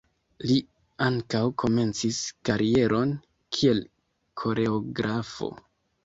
Li ankaŭ komencis karieron kiel koreografo.